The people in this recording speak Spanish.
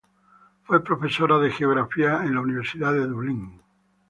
Fue profesora de geografía en la Universidad de Dublín.